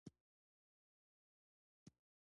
ګرچې زموږ برق هم نه وو🤗